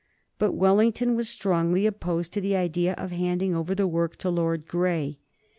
But Wellington was strongly opposed to the idea of handing over the work to Lord Grey.